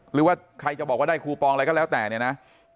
หรือว่าใครจะบอกว่าได้คูปองอะไรก็แล้วแต่เนี่ยนะ